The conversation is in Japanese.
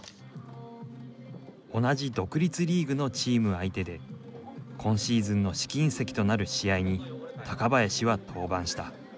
同じ独立リーグのチーム相手で今シーズンの試金石となる試合に高林は登板した。